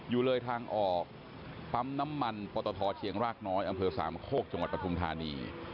อยู่เลยทางออกปั๊มน้ำมันปตทเชียงรากน้อยอำเภอสามโคกจังหวัดปฐุมธานี